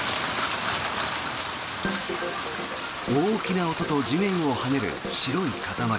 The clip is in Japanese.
大きな音と地面を跳ねる白い塊。